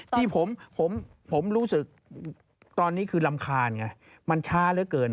ที่ผมรู้สึกตอนนี้คือรำคาญไงมันช้าเหลือเกิน